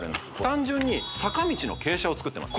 単純に坂道の傾斜を作ってます